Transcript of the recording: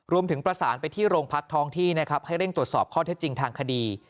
รวมถึงประสานไปที่โรงพักท้องที่นะครับให้เร่งตรวจสอบข้อเท็จจริงทางคดี